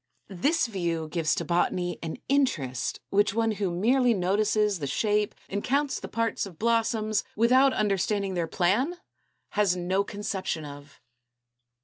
This view gives to Botany an interest which one who merely notices the shape and counts the parts of blossoms, without understanding their plan, has no conception of.